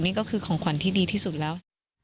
นี่ก็คือของขวัญที่ดีที่สุดแล้ว